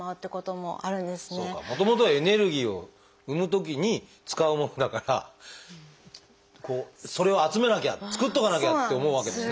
もともとはエネルギーを生むときに使うものだからそれを集めなきゃ作っとかなきゃって思うわけですね。